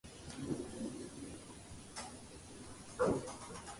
Author is his daughter.